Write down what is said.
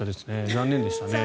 残念でしたね。